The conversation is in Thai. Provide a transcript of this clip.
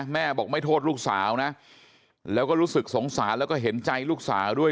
แม่บอกไม่โทษลูกสาวนะแล้วก็รู้สึกสงสารแล้วก็เห็นใจลูกสาวด้วย